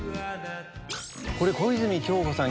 これ小泉今日子さん